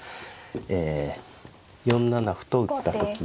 え４七歩と打った時に。